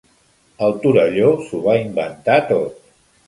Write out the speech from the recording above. El Torelló s'ho va inventar tot.